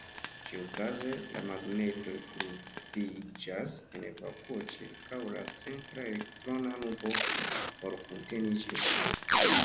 Ĉikaze, la magnetoj grupiĝas en vakuo ĉirkaŭ la centra elektrona nubo, por kunteni ĝin.